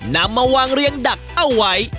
นำมาวางเรียงดักเอาไว้